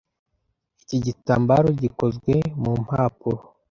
Iki gitambaro gikozwe mu mpapuro.